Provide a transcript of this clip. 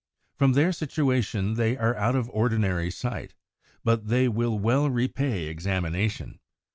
From their situation they are out of ordinary sight; but they will well repay examination.